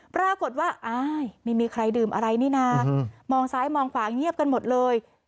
ปรากฏว่าอ้าวไม่มีใครดื่มอะไรนี่นะมองซ้ายมองขวาเงียบกันหมดเลย